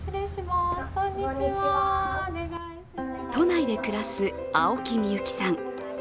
都内で暮らす青木美友貴さん。